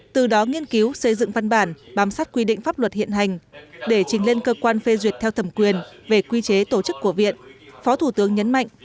từ đó nghiên cứu xây dựng văn bản bám sát quy định pháp luật hiện hành để trình lên cơ quan phê duyệt theo thẩm quyền về quy chế tổ chức của viện